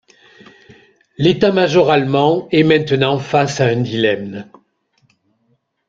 L'état-major allemand est maintenant face à un dilemme.